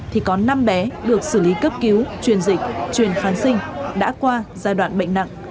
thì có năm bé được xử lý cấp cứu truyền dịch truyền kháng sinh đã qua giai đoạn bệnh nặng